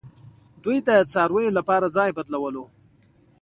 دوی د څارویو لپاره ځای بدلولو